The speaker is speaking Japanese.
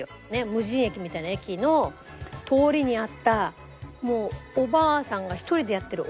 無人駅みたいな駅の通りにあったもうおばあさんが一人でやってる。